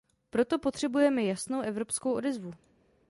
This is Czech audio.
Proto potřebujeme jasnou evropskou odezvu.